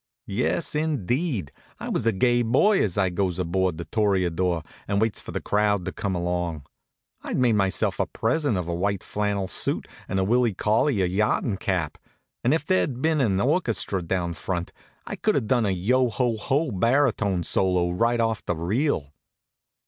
Yes, indeed, I was a gay boy as I goes aboard The Toreador and waits for the crowd to come along. I'd made myself a present of a white flannel suit and a Willie Collier yachtin' cap, and if there'd been an orchestra down front I could have done a yo ho ho baritone solo right off the reel.